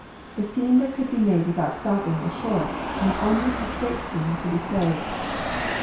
The seam that could be made without stopping was short, aocf only straight seams could be sewed.